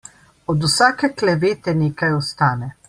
Od vsake klevete nekaj ostane.